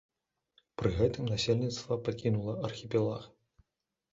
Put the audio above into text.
Пры гэтым насельніцтва пакінула архіпелаг.